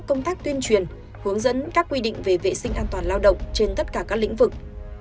công tác tuyên truyền hướng dẫn các quy định về vệ sinh an toàn lao động trên tất cả các lĩnh vực